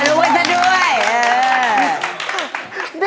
อืมดูไว้ซะด้วย